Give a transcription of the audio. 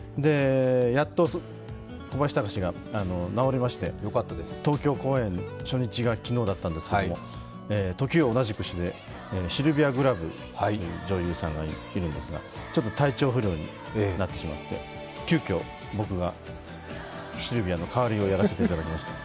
やっと小林隆が治りまして、東京公演初日が昨日だったんですけど、時を同じくして、シルビア・グラブという女優さんがいるんですがちょっと体調不良になってしまって急きょ、僕がシルビアの代わりをやらせていただきました。